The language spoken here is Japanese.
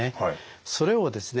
それをですね